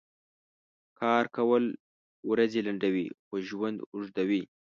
کار کؤل ؤرځې لنډؤي خو ژؤند اوږدؤي .